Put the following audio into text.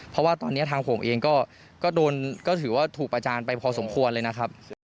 เพราะว่าตอนนี้ทางผมเองก็ถือว่าถูกประจานไปพอสมควรเลยนะครับ